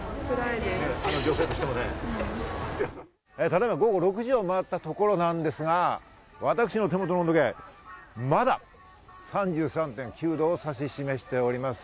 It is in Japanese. ただいま午後６時を回ったところなんですが、私の手元の温度計、まだ３３．９度を指し示しております。